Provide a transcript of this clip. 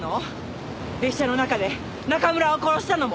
列車の中で中村を殺したのも。